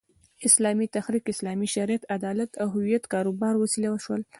اسلامي تحریک، اسلامي شریعت، عدالت او هویت د کاروبار وسیله شول.